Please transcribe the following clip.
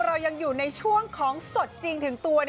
เรายังอยู่ในช่วงของสดจริงถึงตัว